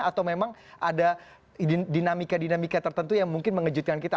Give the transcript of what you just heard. atau memang ada dinamika dinamika tertentu yang mungkin mengejutkan kita